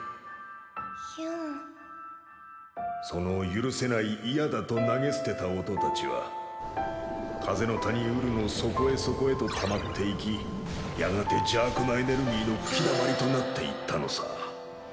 その許せない嫌だと投げ捨てた音たちは風の谷ウルの底へ底へとたまっていきやがて邪悪なエネルギーの吹きだまりとなっていったのさ。